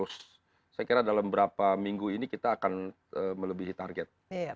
saya kira dalam beberapa minggu ini kita akan melebihi target